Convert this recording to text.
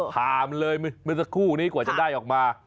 ถามเลยเมื่อสักครู่นี้กว่าจะได้ออกมา